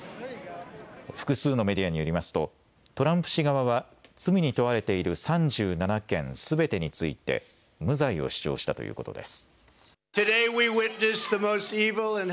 複数のメディアによりますと、トランプ氏側は罪に問われている３７件すべてについて、無罪を主張したということです。